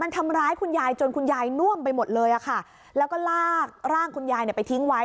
มันทำร้ายคุณยายจนคุณยายน่วมไปหมดเลยอะค่ะแล้วก็ลากร่างคุณยายเนี่ยไปทิ้งไว้